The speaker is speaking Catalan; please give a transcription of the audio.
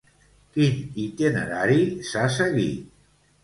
Quin itinerari s'ha seguit?